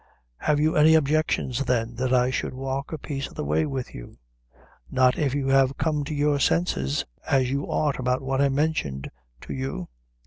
"Have you any objections then, that I should walk a piece of the way with you?" "Not if you have come to your senses, as you ought, about what I mentioned to you."